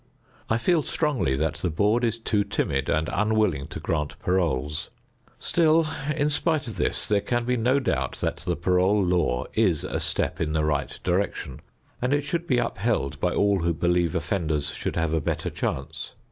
I feel strongly that the board is too timid and unwilling to grant paroles. Still in spite of this there can be no doubt that the parole law is a step in the right direction, and it should be upheld by all who believe offenders should have a better chance.